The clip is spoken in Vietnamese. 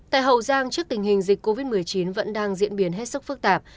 tại hậu giang trước tình hình dịch covid một mươi chín vẫn đang diễn biến hết sức phức tạp